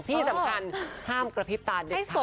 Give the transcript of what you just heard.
ที่สำคัญห้ามกระพริบตาเด็ดขาด